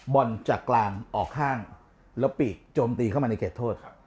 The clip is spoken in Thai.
บอลจากกลางออกห้างแล้วปีกโจมตีเข้ามาในเขตโทษครับ